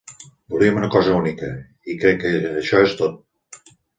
Volíem una cosa única, i crec que això és tot!